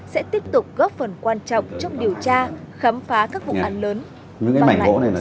sẽ tiếp tục góp phần quan trọng trong điều tra khám phá các vụ án lớn và hãy sở hữu bình yên cho nhân dân